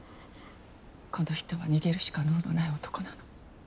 この人は逃げるしか能のない男なの。